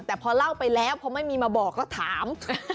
แต่พอเล่าไปแล้วพอไม่มีมาบอกก็ถาม